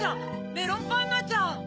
メロンパンナちゃん！